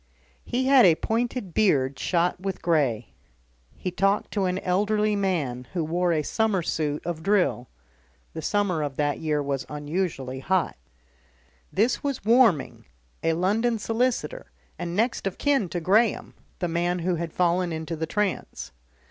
He had a pointed beard shot with grey. He talked to an elderly man who wore a summer suit of drill (the summer of that year was unusually hot). This was Warming, a London solicitor and next of kin to Graham, the man who had fallen into the trance.